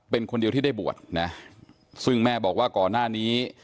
เป็นคนเดียวที่ได้บวชนะซึ่งแม่บอกว่าก่อนหน้านี้